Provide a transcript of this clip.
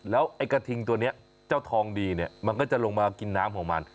แล้วไอ้กระทิงตัวนี้เจ้าทองดีเนี่ยมันก็จะลงมากินน้ำของมัน